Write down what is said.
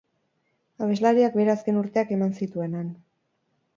Abeslariak bere azken urteak eman zituen han.